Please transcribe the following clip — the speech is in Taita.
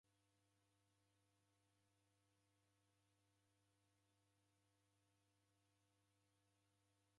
W'adaw'ana w'ikavika miaka Ikumi na w'unyanya w'atalwa sa w'andu w'abaa.